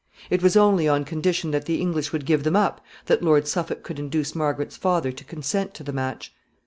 It was only on condition that the English would give them up that Lord Suffolk could induce Margaret's father to consent to the match.